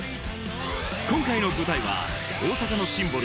今回の舞台は大阪のシンボル